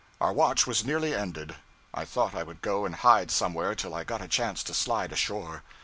Our watch was nearly ended. I thought I would go and hide somewhere till I got a chance to slide ashore.